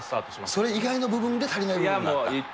それ以外の部分で足りない部分があった？